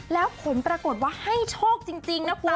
แล้วผลปรากฏว่าให้โชคจริงนะคุณ